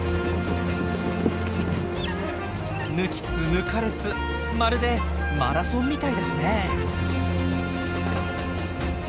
抜きつ抜かれつまるでマラソンみたいですねえ。